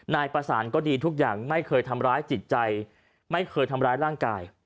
นายประสานก็ดีทุกอย่างไม่เคยทำร้ายจิตใจไม่เคยทำร้ายร่างกาย